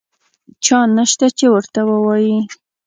چا نشته چې ورته ووایي.